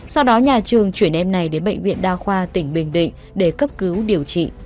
sau đó nhà trường chuyển em này đến bệnh viện đa khoa tỉnh bình định để cấp cứu điều trị